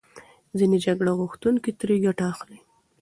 ځینې جګړه غوښتونکي ترې ګټه اخلي.